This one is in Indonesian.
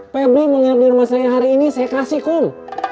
pabri mau nginep di rumah saya hari ini saya kasih kum